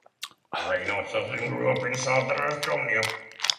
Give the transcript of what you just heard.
Rein Otsason grew up in southern Estonia.